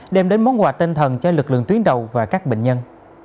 đem đến món quà tinh thần cho lực lượng tuyến đầu và các bệnh nhân